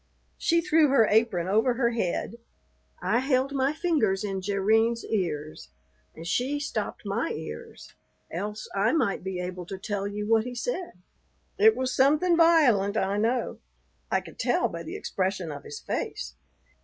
She threw her apron over her head. I held my fingers in Jerrine's ears, and she stopped my ears, else I might be able to tell you what he said. It was something violent, I know. I could tell by the expression of his face.